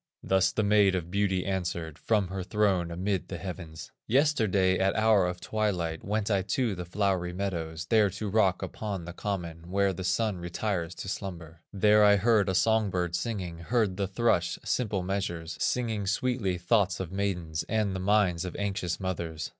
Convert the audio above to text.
Thus the Maid of Beauty answered From her throne amid the heavens: "Yesterday at hour of twilight, Went I to the flowery meadows, There to rock upon the common, Where the Sun retires to slumber; There I heard a song bird singing, Heard the thrush in simple measures, Singing sweetly thoughts of maidens, And the minds of anxious mothers.